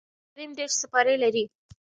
قران کريم دېرش سپاري لري